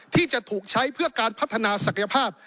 ที่จะถูกใช้เพื่อการพัฒนาศักยภาพ